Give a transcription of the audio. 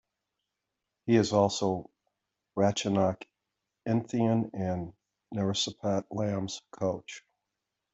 He is also Ratchanok Inthanon and Narissapat Lam's coach.